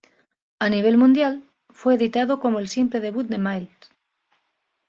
A nivel mundial, fue editado como el simple debut de Myles.